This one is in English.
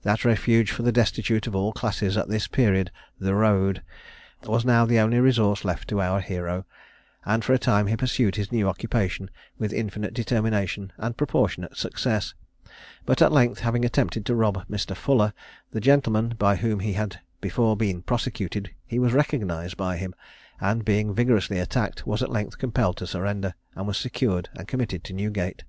That refuge for the destitute of all classes at this period, "the road," was now the only resource left to our hero, and for a time he pursued his new occupation with infinite determination and proportionate success; but at length having attempted to rob Mr. Fuller, the gentleman by whom he had before been prosecuted, he was recognised by him, and being vigorously attacked, was at length compelled to surrender, and was secured and committed to Newgate.